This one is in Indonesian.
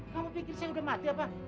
kamu pikir saya udah mati apa